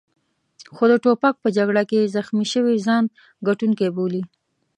خو د توپک په جګړه کې زخمي شوي ځان ګټونکی بولي.